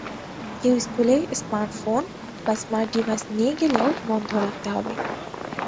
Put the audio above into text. কেউ স্কুলে স্মার্টফোন বা স্মার্ট ডিভাইস নিয়ে গেলেও বন্ধ রাখতে হবে।